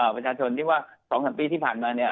ประชาชนที่ว่า๒๓ปีที่ผ่านมาเนี่ย